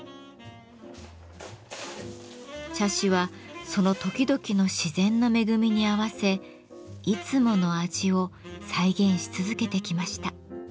茶師はその時々の自然の恵みに合わせ「いつもの味」を再現し続けてきました。